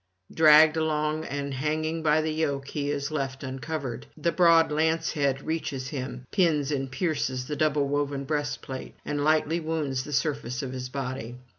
Dragged along and hanging by the yoke he is left uncovered; the broad lance head reaches him, pins and pierces the double woven breastplate, and lightly wounds the surface of his body.